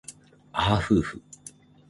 あはふうふ